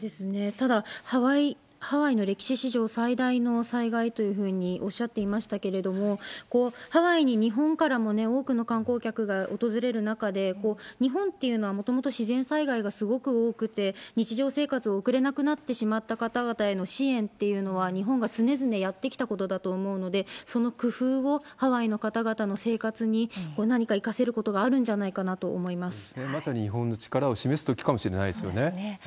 ただ、ハワイの歴史史上最大の災害というふうにおっしゃっていましたけれども、ハワイに日本からも多くの観光客が訪れる中で、日本っていうのは、もともと自然災害がすごく多くて、日常生活を送れなくなってしまった方々への支援っていうのは、日本が常々やってきたことだと思うので、その工夫をハワイの方々の生活に何か生かせることがあるんじゃなこれはまさに日本の力を示すそうですね。